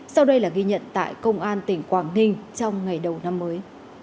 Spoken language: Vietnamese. sau đây là ghi nhận tại công an tỉnh quảng ninh trong ngày đầu năm mới